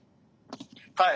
はい。